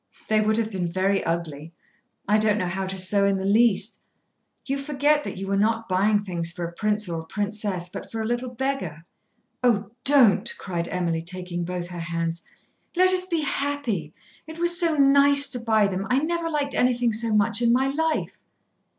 "They would have been very ugly. I don't know how to sew in the least. You forget that you were not buying things for a prince or a princess, but for a little beggar." "Oh, don't!" cried Emily, taking both her hands. "Let us be happy! It was so nice to buy them. I never liked anything so much in my life."